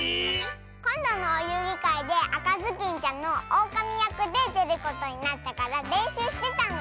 ⁉こんどのおゆうぎかいであかずきんちゃんのオオカミやくででることになったかられんしゅうしてたの！